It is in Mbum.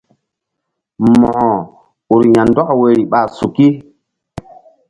Mo̧ko ur ya̧ ndɔk woyri ɓa suki.